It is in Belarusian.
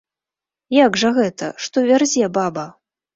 Як жа гэта, што вярзе баба?